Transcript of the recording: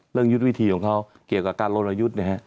เรื่องยุทธวิธีของเขาเกี่ยวกับการโรนยุทธนะครับ